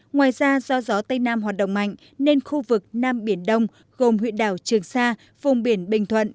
ngoài ra do gió tây nam hoạt động mạnh nên khu vực nam biển đông gồm huyện đảo trường sa vùng biển bình thuận